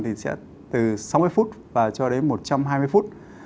thì sẽ từ sáu mươi phút và cho đến một trăm hai mươi phút